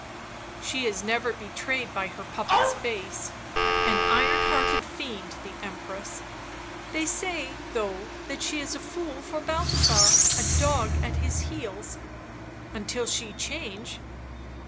" She is never betrayed by her puppet's face — an iron hearted fiend, the Empress." " They say, though, that she is a fool for Balthasar, a dog at his heels." " Until she change."